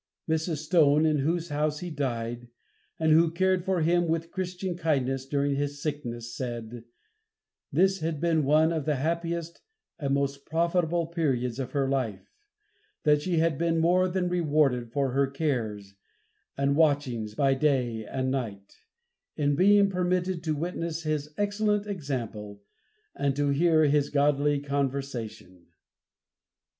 Mrs. Stone, in whose house he died, and who cared for him with Christian kindness during his sickness, said, "This had been one of the happiest and most profitable periods of her life; that she had been more than rewarded for her cares and watchings by day and night, in being permitted to witness his excellent example, and to hear his godly conversation."